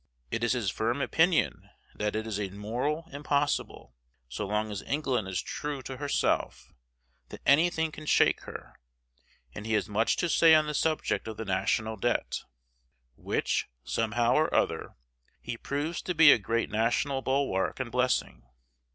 It is his firm opinion that "it is a moral impossible," so long as England is true to herself, that anything can shake her: and he has much to say on the subject of the national debt, which, somehow or other, he proves to be a great national bulwark and blessing.